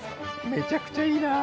めちゃくちゃいいなあ。